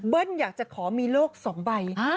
เบิ้ลอยากจะขอมีโรค๒ใบ